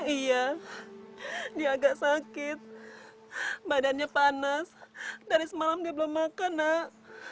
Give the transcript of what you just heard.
iya dia agak sakit badannya panas dari semalam dia belum makan nak